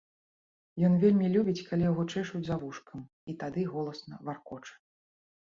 Ён вельмі любіць, калі яго чэшуць за вушкам, і тады голасна варкоча.